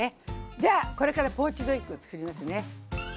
じゃあこれからポーチドエッグをつくりますね！